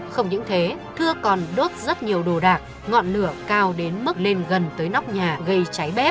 không những thế thưa còn đốt rất nhiều đồ đạc ngọn lửa cao đến mức lên gần tới nóc nhà gây cháy bép